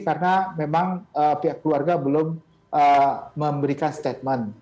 karena memang pihak keluarga belum memberikan statement